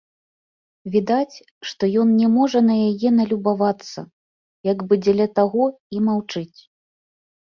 Відаць, што ён не можа на яе налюбавацца, як бы дзеля таго і маўчыць.